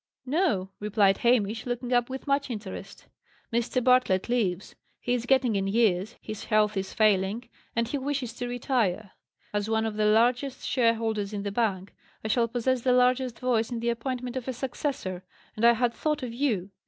"No," replied Hamish, looking up with much interest. "Mr. Bartlett leaves. He is getting in years, his health is failing, and he wishes to retire. As one of the largest shareholders in the bank, I shall possess the largest voice in the appointment of a. successor, and I had thought of you.